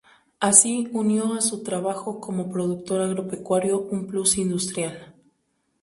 Así unió a su trabajo como productor agropecuario un plus industrial.